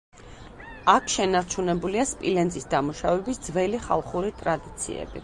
აქ შენარჩუნებულია სპილენძის დამუშავების ძველი ხალხური ტრადიციები.